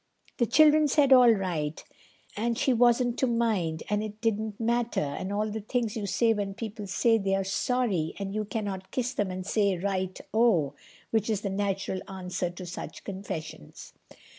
The children said all right, and she wasn't to mind, and it didn't matter, and all the things you say when people say they are sorry, and you cannot kiss them and say, "Right oh," which is the natural answer to such confessions.